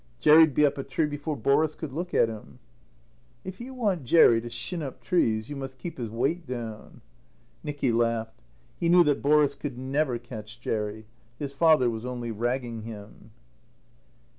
Jerry'd be up a tree before Boris could look at him." "If you want Jerry to shin up trees you must keep his weight down." Nicky laughed. He knew that Boris could never catch Jerry. His father was only ragging him.